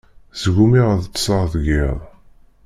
Sgumiɣ ad ṭṭseɣ deg iḍ.